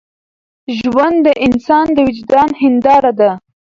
ژوند د انسان د وجدان هنداره ده.